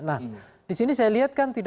nah disini saya lihatkan